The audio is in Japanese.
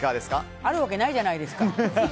あるわけないじゃないですか！